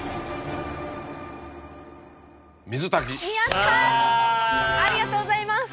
ありがとうございます。